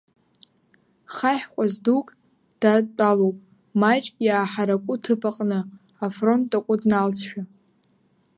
Хаҳә ҟәаз дук дадтәалоуп маҷк иааҳараку ҭыԥк аҟны, афронт такәы дналҵшәа.